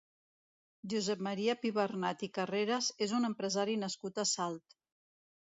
Josep Maria Pibernat i Carreras és un empresari nascut a Salt.